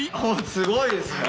すごいですね。